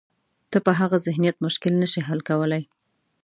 ته په هغه ذهنیت مشکل نه شې حل کولای.